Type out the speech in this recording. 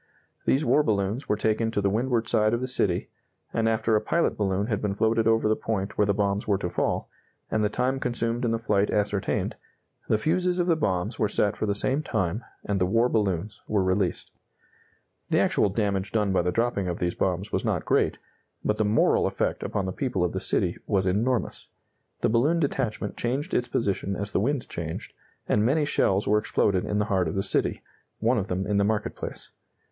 These war balloons were taken to the windward side of the city, and after a pilot balloon had been floated over the point where the bombs were to fall, and the time consumed in the flight ascertained, the fuses of the bombs were set for the same time, and the war balloons were released. The actual damage done by the dropping of these bombs was not great, but the moral effect upon the people of the city was enormous. The balloon detachment changed its position as the wind changed, and many shells were exploded in the heart of the city, one of them in the market place.